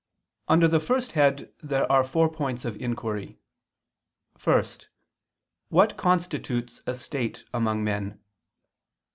Under the first head there are four points of inquiry: (1) What constitutes a state among men?